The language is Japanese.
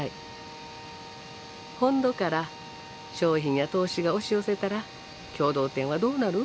本土から商品や投資が押し寄せたら共同店はどうなる？